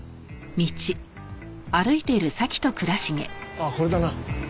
あっこれだな。